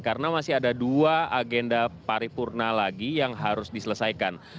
karena masih ada dua agenda paripurna lagi yang harus diselesaikan